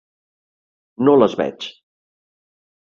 No les veig.